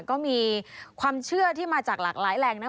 ก็มีความเชื่อที่มาจากหลากหลายแหล่งนะ